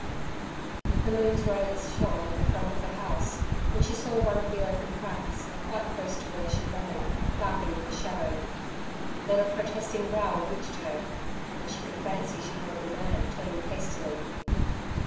The moon's rays shone on the front of the house, and she saw one of the open cracks, quite close to where she lay, darken with a shadow. Then a protesting growl reached her; and she could fancy she heard the man turn hastily.